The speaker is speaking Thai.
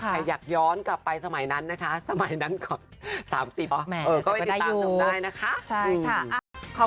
ใครอยากย้อนกลับไปสมัยนั้นนะคะ